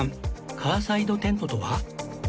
カーサイドテントとは？